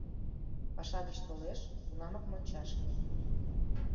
— Паша гыч толеш — тунамак мончашке...